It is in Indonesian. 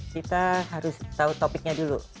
kita harus tahu topiknya dulu